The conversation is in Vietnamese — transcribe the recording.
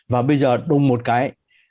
và bây giờ đùng một cái hai nghìn hai mươi hai